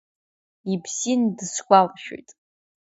Ибзианы дысгәалашәоит.